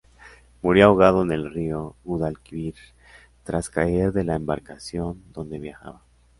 Murió ahogado en el río Guadalquivir, tras caer de la embarcación donde viajaba.